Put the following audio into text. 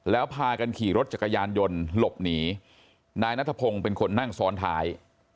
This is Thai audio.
แล้วพากันขี่รถจักรยานยนต์หลบหนีนายนัทพงศ์เป็นคนนั่งซ้อนท้าย